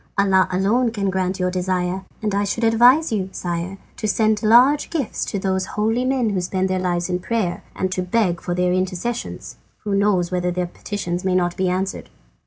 Allah alone can grant your desire, and I should advise you, sire, to send large gifts to those holy men who spend their lives in prayer, and to beg for their intercessions. Who knows whether their petitions may not be answered!"